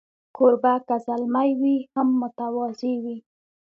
کوربه که زلمی وي، هم متواضع وي.